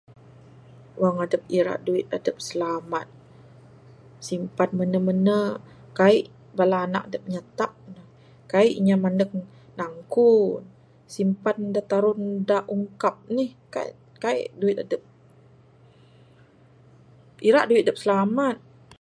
Wang adup ira duit adup slamat, simpan menu menu. Kaik bala anak adup nyatak ne. Kaik inya mandeg nangku. Simpan dak tarun da ungkap nih. Kaik, kaik duit adup, ira duit dup slamat.